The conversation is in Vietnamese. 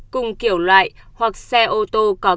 cùng kiểu loại hoặc xe ô tô có kích hoạt